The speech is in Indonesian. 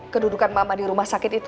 kedudukan mama di rumah sakit itu